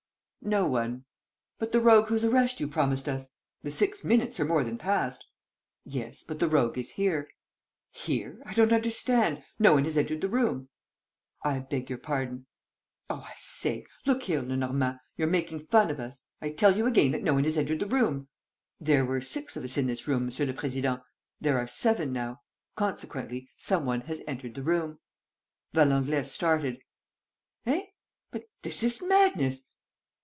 "No one." "But the rogue whose arrest you promised us? The six minutes are more than past." "Yes, but the rogue is here!" "Here? I don't understand. No one has entered the room!" "I beg your pardon." "Oh, I say. ... Look here, Lenormand, you're making fun of us. I tell you again that no one has entered the room." "There were six of us in this room, Monsieur le Président; there are seven now. Consequently, some one has entered the room." Valenglay started: "Eh! But this is madness!